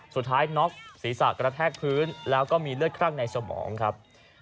น็อกศีรษะกระแทกพื้นแล้วก็มีเลือดคลั่งในสมองครับ